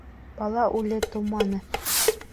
Бала үле тыуманы.